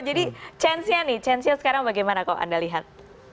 jadi ini nih chance nya sekarang bagaimana kok anda lihat